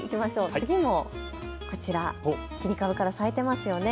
次もこちら切り株から咲いていますよね。